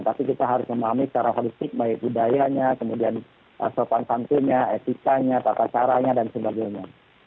tapi kita harus memahami secara holistik baik budayanya kemudian sopan santunnya etikanya tata caranya dan sebagainya